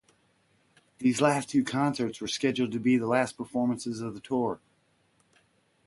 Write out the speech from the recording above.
These two concerts were scheduled to be the last performances of the tour.